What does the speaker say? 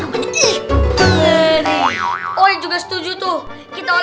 dia kan gak kejar jadon